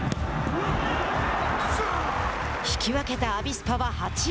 引き分けたアビスパは８位。